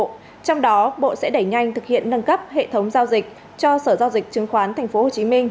trong đó bộ sẽ đẩy nhanh thực hiện nâng cấp hệ thống giao dịch cho sở giao dịch chứng khoán tp hcm